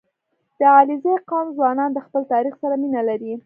• د علیزي قوم ځوانان د خپل تاریخ سره مینه لري.